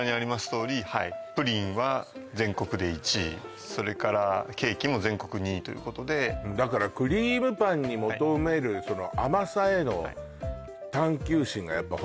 とおりプリンは全国で１位それからケーキも全国２位ということでだからクリームパンに求めるそうですね